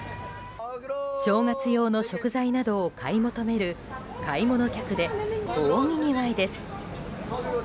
正月用の食材などを買い求める買い物客で大にぎわいです！